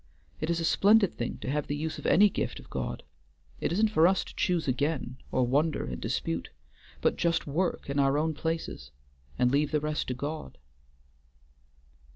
It is a splendid thing to have the use of any gift of God. It isn't for us to choose again, or wonder and dispute, but just work in our own places, and leave the rest to God."